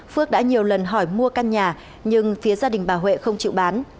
phước đã nhiều lần hỏi mua căn nhà nhưng phía gia đình bà huệ không chịu bán